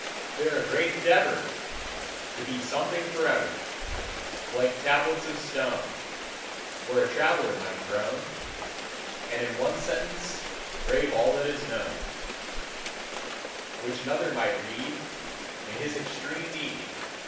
They're a great endeavor To be something forever; Blank tablets of stone, Where a traveler might groan, And in one sentence Grave all that is known Which another might read, In his extreme need.